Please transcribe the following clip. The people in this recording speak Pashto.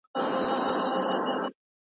نور سازمانونه د دولت د سياست تابع نه دي.